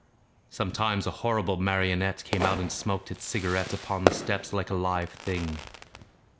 Sometimes a horrible marionette Came out, and smaoked its cigarette Upon the steps like a live thing.